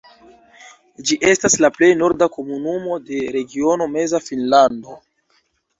Ĝi estas la plej norda komunumo de regiono Meza Finnlando.